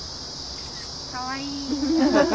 かわいい。